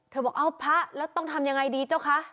บอกเอ้าพระแล้วต้องทำยังไงดีเจ้าคะ